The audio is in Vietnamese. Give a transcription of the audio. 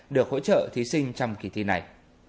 được hỗ trợ thí sinh trong kỳ thi này